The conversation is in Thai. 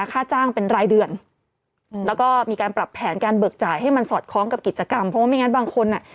ค่าจ้างเป็นรายเดือนอืมแล้วก็มีการปรับแผนการเบิกจ่ายให้มันสอดคล้องกับกิจกรรมเพราะว่าไม่งั้นบางคนอ่ะ